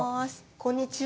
こんにちは。